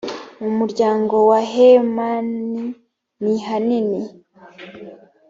mu muryango wa hemani nihanini